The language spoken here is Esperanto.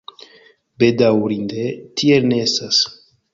Bedaŭrinde, tiel ne estas.